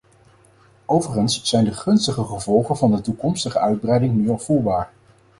Overigens zijn de gunstige gevolgen van de toekomstige uitbreiding nu al voelbaar.